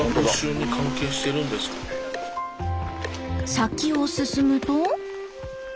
先を進むと。